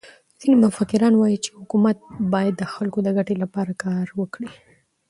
ځيني مفکران وايي، چي حکومت باید د خلکو د ګټي له پاره کار وکړي.